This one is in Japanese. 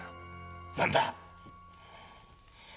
何だ？